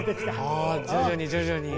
ああ徐々に徐々に。